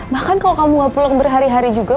bahkan kalau kamu gak pulang berhari hari juga